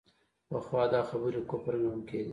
پخوا دا خبرې کفر ګڼل کېدې.